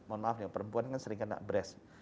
mohon maaf ya perempuan kan sering kena breast